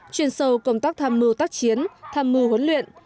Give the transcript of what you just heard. chuyên sâu công tác tham mưu tác chiến tham mưu huấn luyện